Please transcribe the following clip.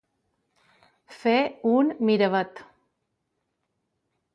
Fer un Miravet.